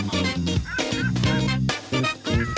สวัสดีค่ะ